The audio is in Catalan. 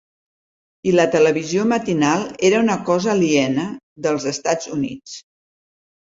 I la televisió matinal era una cosa aliena, dels Estats Units.